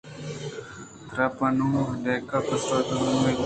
ترا پہ ناانوں ءُنئیکہ پیسرا پسو الّمی بوتگ